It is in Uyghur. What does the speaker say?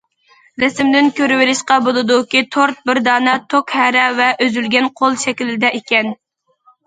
رەسىمدىن كۆرۈۋېلىشقا بولىدۇكى تورت بىر دانە توك ھەرە ۋە ئۈزۈلگەن قول شەكلىدە ئىكەن.